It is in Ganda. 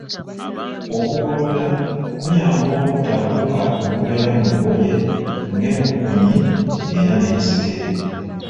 Okugolola kuyamba okutta obuwuka obubeera mu ngoye ng'enkukunyi era n'ensekere.